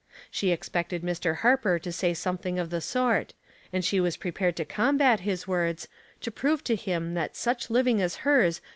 She expected Mr. Harper to say something of the sort, and she was prepared to combat his words, to prove to him that such living as hers 19 290 HouseholJt Puzzles.